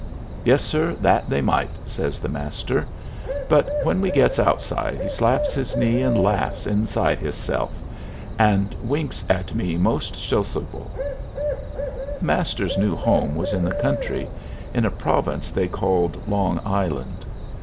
"Yes, sir; that they might," says the Master. But when we gets outside he slaps his knee and laughs inside hisself, and winks at me most sociable. The Master's new home was in the country, in a province they called Long Island.